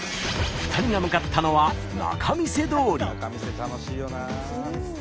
２人が向かったのは仲見世楽しいよな。